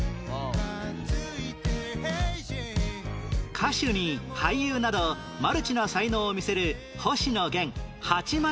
歌手に俳優などマルチな才能を見せる星野源８枚目のシングル曲です